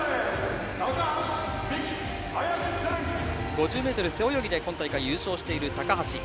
５０ｍ背泳ぎで今大会優勝している高橋。